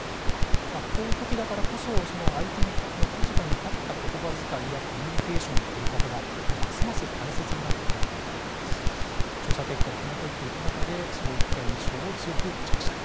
こういう時だからこそ相手の立場に立った言葉づかいやコミュニケーションの取り方がますます大切になってくるのではないかと調査結果をひもといていく中でそういった印象を強く持ちました。